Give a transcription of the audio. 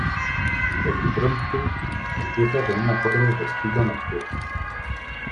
El Impromptu empieza con un acorde de estilo nocturno.